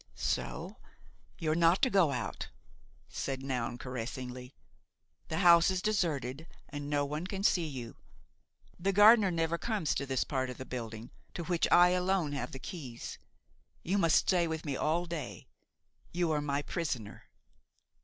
"So you're not to go out," said Noun caressingly. "The house is deserted and no one can see you; the gardener never comes to this part of the building to which I alone have the keys. You must stay with me all day; you are my prisoner."